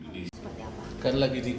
bagaimana dengan kekuatan di republik indonesia